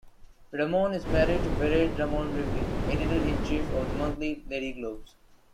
Ramon is married to Vered Ramon Rivlin, editor-in-chief of the monthly "Lady Globes".